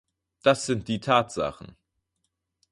Das sind die Tatsachen.